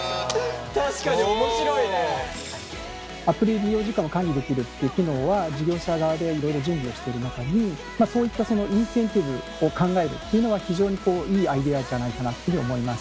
確かに面白いね！っていう機能は事業者側でいろいろ準備をしている中にそういったインセンティブを考えるっていうのは非常にいいアイデアじゃないかなというふうに思います。